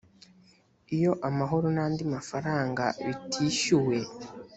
iyo amahoro n andi mafaranga bitishyuwe